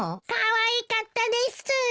かわいかったです。